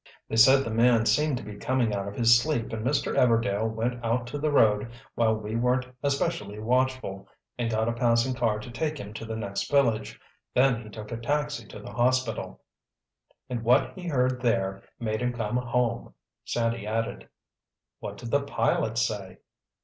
"They said the man seemed to be coming out of his sleep and Mr. Everdail went out to the road while we weren't especially watchful, and got a passing car to take him to the next village. Then he took a taxi to the hospital." "And what he heard there made him come home," Sandy added. "What did the pilot say?"